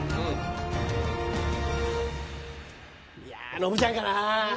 ノブちゃんかな。